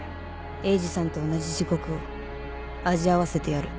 鋭治さんと同じ地獄を味わわせてやる。